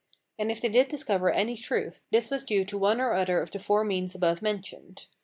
And if they did discover any truth, this was due to one or other of the four means above mentioned.